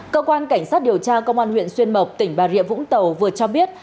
cơ quan cảnh sát điều tra công an huyện xuyên mộc tỉnh bà rịa vũng tàu vừa cho biết